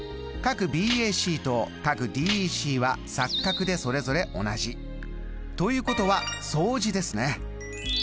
ＢＡＣとＤＥＣは錯角でそれぞれ同じ。ということは相似ですね。